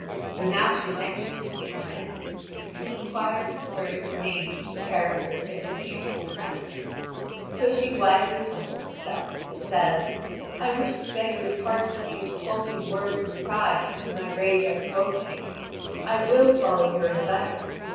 But now she is anxious to make amends, and to inquire concerning the name, character, and lineage of the knight: so she wisely humbles herself, and says: "I wish to beg your pardon for the insulting words of pride which in my rage I spoke to you: I will follow your advice.